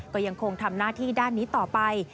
ก็ยังคงทำหน้าที่ด้านนี้ต่อไป